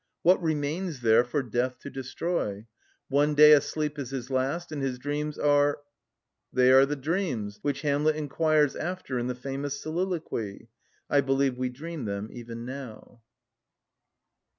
What remains there for death to destroy? One day a sleep is his last, and his dreams are ——. They are the dreams which Hamlet inquires after in the famous soliloquy. I believe we dream them even now.